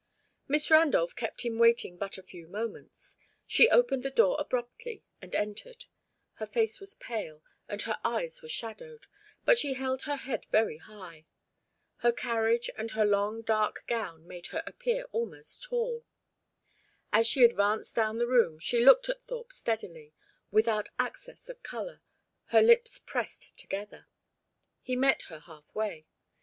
Miss Randolph kept him waiting but a few moments. She opened the door abruptly and entered. Her face was pale, and her eyes were shadowed; but she held her head very high. Her carriage and her long dark gown made her appear almost tall. As she advanced down the room, she looked at Thorpe steadily, without access of colour, her lips pressed together. He met her half way.